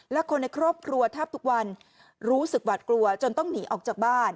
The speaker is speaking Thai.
และคนในครอบครัวแทบทุกวันรู้สึกหวัดกลัวจนต้องหนีออกจากบ้าน